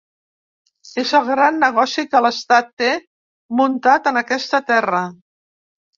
És el gran negoci que l’estat té muntat en aquesta terra.